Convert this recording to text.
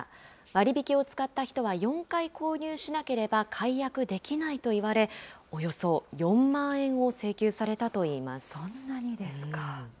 割引を使った人は４回購入しなければ解約できないと言われ、およそ４万円を請求されたといいます。